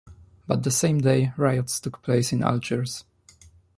But the same day, riots took place in Algiers.